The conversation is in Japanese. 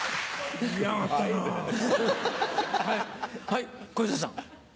はい小遊三さん。